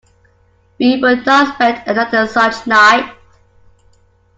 We would not spend another such night.